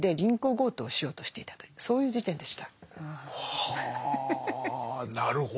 はなるほど。